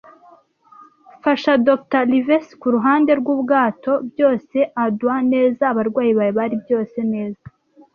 fasha Dr. Livesey kuruhande rwubwato. Byose a-doin 'neza, abarwayi bawe bari - byose neza